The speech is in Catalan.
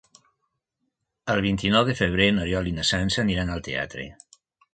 El vint-i-nou de febrer n'Oriol i na Sança aniran al teatre.